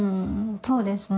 そうですね。